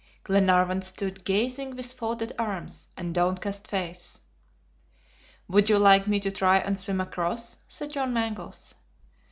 Glenarvan stood gazing with folded arms and downcast face. "Would you like me to try and swim across?" said John Mangles.